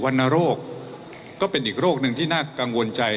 รณโรคก็เป็นอีกโรคหนึ่งที่น่ากังวลใจ